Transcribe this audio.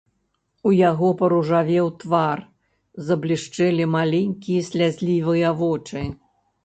У яго паружавеў твар, заблішчэлі маленькія слязлівыя вочы.